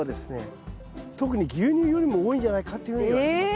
特に牛乳よりも多いんじゃないかっていうふうにいわれてます。